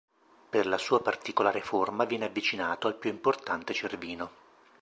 Per la sua particolare forma viene avvicinato al più importante Cervino.